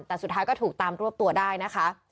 แต่สุดท้ายก็ถูกตามรวบตัวได้นะคะ